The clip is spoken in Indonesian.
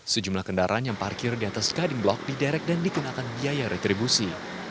sejumlah kendaraan yang parkir di atas guding block diderek dan dikenakan biaya retribusi